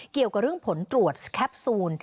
เกี่ยวกับเรื่องผลตรวจแคปซูล